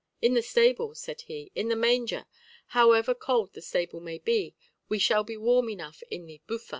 "In the stable," said he, "in the manger; however cold the stable may be, we shall be warm enough in the bufa."